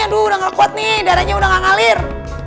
aduh udah gak kuat nih darahnya udah gak ngalir